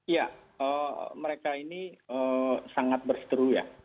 ya mereka ini sangat berseteruya